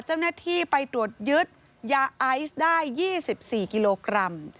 เจ้าหน้าที่ไปตรวจยึดยาไอซ์ได้๒๔กิโลกรัม